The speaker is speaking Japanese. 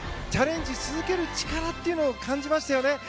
チャレンジし続ける力というのを感じましたよね。